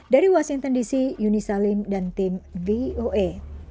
dari washington dc yuni salim dan tim voe